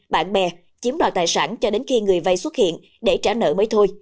bạn bè chiếm đòi tài sản cho đến khi người vai xuất hiện để trả nợ mới thôi